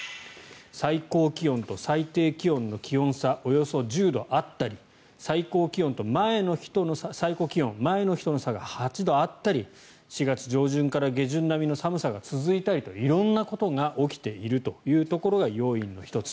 最高気温と最低気温の気温差がおよそ１０度あったり最高気温、前の日との差が８度あったり４月上旬から下旬並みの寒さが続いたり色んなことが起きているということが要因の１つ。